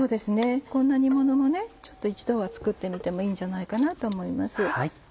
こんな煮ものもちょっと一度は作ってみてもいいんじゃないかなと思います。